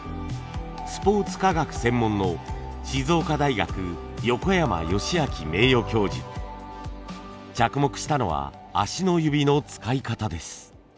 スポーツ科学専門の着目したのは足の指の使い方です。